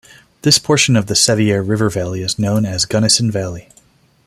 This portion of the Sevier River Valley is known as Gunnison Valley.